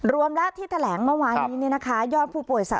รวมและที่แถวแหลงเมื่อวานนี้นะคะยอดผู้ป่วยสะสม